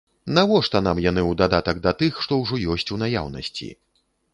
Навошта нам яны ў дадатак да тых, што ўжо ёсць у наяўнасці?